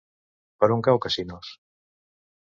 Per on cau Casinos?